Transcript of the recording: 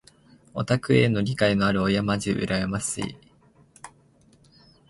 オタクへの理解のある親まじ羨ましい。